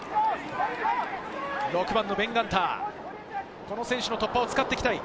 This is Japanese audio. ６番のベン・ガンター、この選手の突破を使っていきたい。